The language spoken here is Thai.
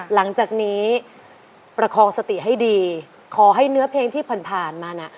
หลังจากนี้ประคองสติให้ดีขอให้เนื้อเพลงที่ผ่านมานะ